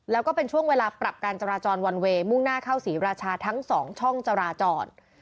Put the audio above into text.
แล้วก็เป็นช่วงเวลาปรับการจราจรวันเวย์มุ่งหน้าเข้าศรีราชาทั้ง๒ช่องจราจร